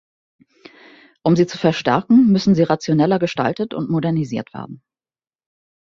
Um sie zu verstärken, müssen sie rationeller gestaltet und modernisiert werden.